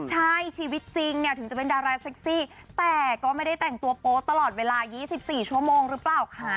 ใช่ชีวิตจริงเนี่ยถึงจะเป็นดาราเซ็กซี่แต่ก็ไม่ได้แต่งตัวโป๊ตลอดเวลา๒๔ชั่วโมงหรือเปล่าคะ